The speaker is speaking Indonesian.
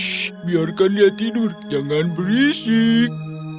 shh biarkan dia tidur jangan berisik